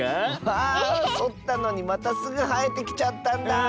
あそったのにまたすぐはえてきちゃったんだ！